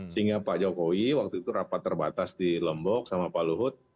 sehingga pak jokowi waktu itu rapat terbatas di lombok sama pak luhut